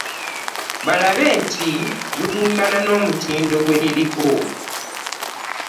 Balabe nti gutuukana n'omutindo gwe liriko.